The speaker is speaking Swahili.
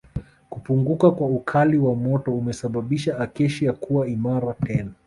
kupunguka kwa ukali wa moto umesababisha Acacia kuwa imara tena